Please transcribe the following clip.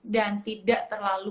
dan tidak terlalu